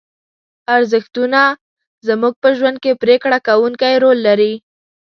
ارزښتونه زموږ په ژوند کې پرېکړه کوونکی رول لري.